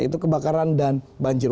yaitu kebakaran dan banjir